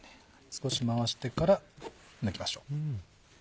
少し回してから抜きましょう。